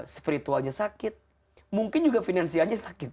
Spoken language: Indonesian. spiritualnya sakit mungkin juga finansialnya sakit